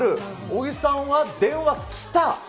尾木さんは電話きた。